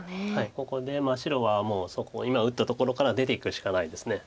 ここで白はもうそこ今打ったところから出ていくしかないです。